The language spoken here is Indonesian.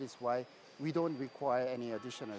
itu mengapa kami tidak membutuhkan